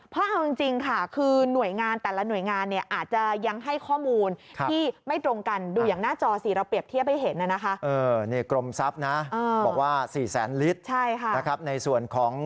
เพราะเอาจริงค่ะคือหน่วยงานแต่ละหน่วยงาน